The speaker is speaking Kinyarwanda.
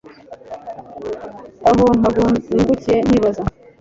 aho nkangukiye nkibaza